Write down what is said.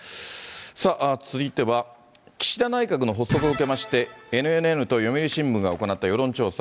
さあ、続いては岸田内閣の発足を受けまして、ＮＮＮと読売新聞が行った世論調査。